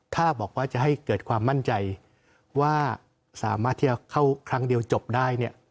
ถ้าบอกว่าจะให้เกิดความมั่นใจว่าสามารถที่จะเข้าครั้งเดียวจบได้เนี่ย